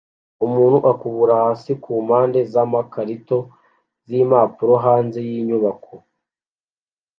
umuntu akubura hasi kumpande zamakarito nimpapuro hanze yinyubako